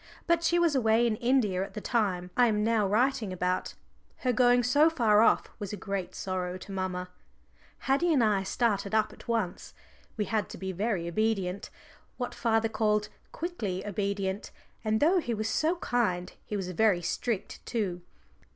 But she was away in India at the time I am now writing about; her going so far off was a great sorrow to mamma. Haddie and I started up at once. We had to be very obedient, what father called "quickly obedient," and though he was so kind he was very strict too.